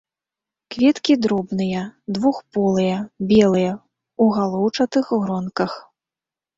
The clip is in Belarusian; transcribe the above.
Кветкі дробныя, двухполыя, белыя, у галоўчатых гронках.